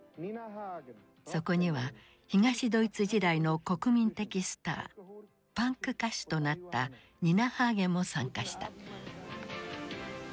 そこには東ドイツ時代の国民的スターパンク歌手となったニナ・ハーゲンも参加した。